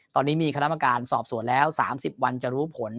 ตอนนี้มีคณะกรรมการสอบสวนแล้ว๓๐วันจะรู้ผล